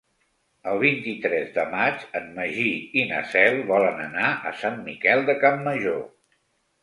El vint-i-tres de maig en Magí i na Cel volen anar a Sant Miquel de Campmajor.